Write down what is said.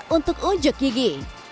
untuk ujuk gigi